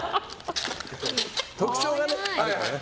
特徴があるからね。